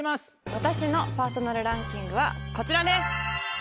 私のパーソナルランキングはこちらです。